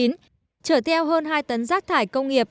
trở theo hơn hai tấn rác thải công nghiệp